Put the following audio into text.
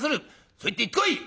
そうやって言ってこい！」。